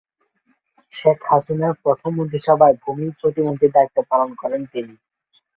শেখ হাসিনার প্রথম মন্ত্রিসভার ভূমি প্রতিমন্ত্রীর দায়িত্ব পালন করেন তিনি।